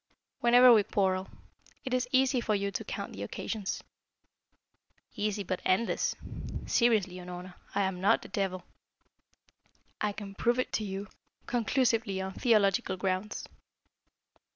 "Whenever we quarrel. It is easy for you to count the occasions." "Easy, but endless. Seriously, Unorna, I am not the devil. I can prove it to you conclusively on theological grounds."